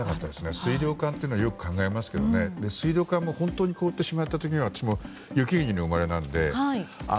水道管というのはよく考えますけど水道管も、本当に凍ってしまった時は私も、雪国の生まれなのでね。